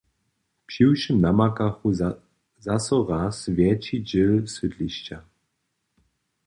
Přiwšěm namakachu zaso raz wjetši dźěl sydlišća.